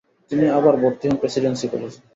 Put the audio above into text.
তিনি আবার ভর্তি হন প্রেসিডেন্সী কলেজে।